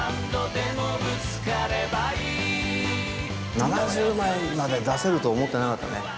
７０枚まで出せると思ってなかったね。